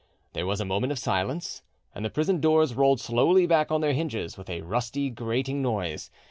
There was a moment of silence, and the prison doors rolled slowly back on their hinges with a rusty, grating noise.